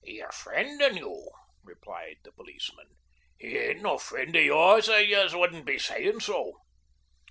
"Your fri'nd and you?" replied the policeman. "He ain't no fri'nd o' yours, or yez wouldn't be sayin' so."